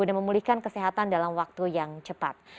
untuk memulihkan kesehatan dalam waktu yang cepat